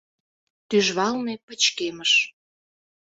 Тӱжвалне пычкемыш.